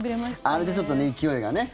あれでちょっと勢いがね